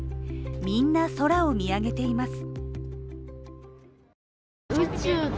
みんな空を見上げています。